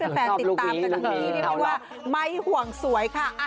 แฟนติดตามกันทั้งนี้เรียกได้ว่าไม่ห่วงสวยค่ะ